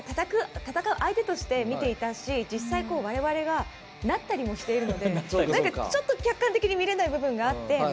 戦う相手として見ていたし実際、われわれがなったりもしているのでちょっと客観的に見れない部分があって。